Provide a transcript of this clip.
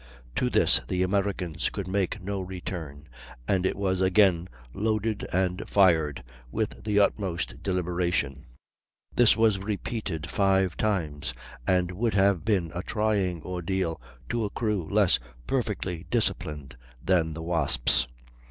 To this the Americans could make no return, and it was again loaded and fired, with the utmost deliberation; this was repeated five times, and would have been a trying ordeal to a crew less perfectly disciplined than the Wasp's.